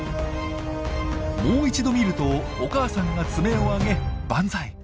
もう一度見るとお母さんが爪を上げバンザイ。